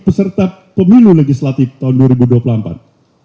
peserta pemilu legislatif tahun dua ribu dua puluh empat